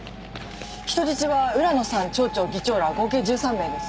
人質は浦野さん町長議長ら合計１３名です。